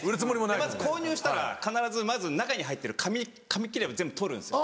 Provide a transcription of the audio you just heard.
まず購入したら必ず中に入ってる紙切れを全部取るんです。